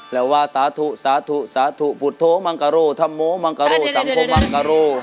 แล้วว่าสาธุสาธุสาธุพุทธโธมังกะโร่ธรรมโมมังกะโร่สังคมมังกะโร